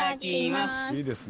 いいですね。